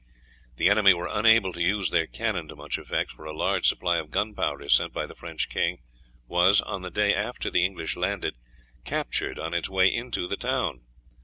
The enemy were unable to use their cannon to much effect, for a large supply of gunpowder sent by the French king was, on the day after the English landed, captured on its way into the town.